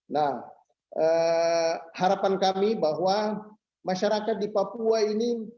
nah harapan kami bahwa masyarakat di papua ini